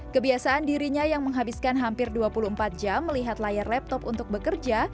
kebiasaan dirinya yang menghabiskan hampir dua puluh empat jam melihat layar laptop untuk bekerja